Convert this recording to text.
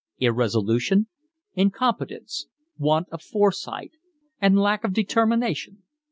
"Irresolution, incompetence, want of foresight, and lack of determination."